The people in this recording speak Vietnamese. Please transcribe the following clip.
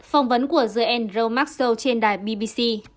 phỏng vấn của j andrew maxwell trên đài bbc